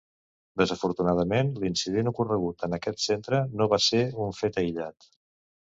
Desafortunadament, l’incident ocorregut en aquest centre no va ser un fet aïllat.